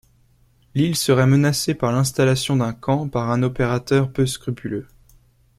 L'île serait menacée par l'installation d'un camp par un opérateur peu scrupuleux.